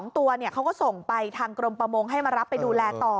ตัวเขาก็ส่งไปทางกรมประมงให้มารับไปดูแลต่อ